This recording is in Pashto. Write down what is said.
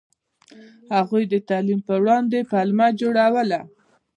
هغوی د تعلیم په وړاندې پلمه جوړوله.